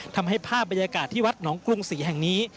ทำให้ภาพบรรยากาศที่วัดหนองกรุงศรีแห่งนี้